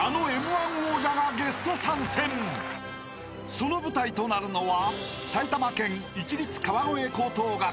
［その舞台となるのは］